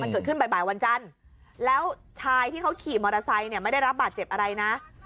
เกิดขึ้นบ่ายวันจันทร์แล้วชายที่เขาขี่มอเตอร์ไซค์เนี่ยไม่ได้รับบาดเจ็บอะไรนะ